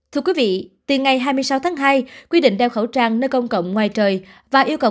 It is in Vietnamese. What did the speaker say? thưa quý vị từ ngày hai mươi sáu tháng hai quy định đeo khẩu trang nơi công cộng ngoài trời và yêu cầu